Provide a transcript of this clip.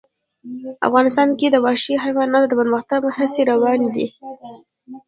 افغانستان کې د وحشي حیواناتو د پرمختګ هڅې روانې دي.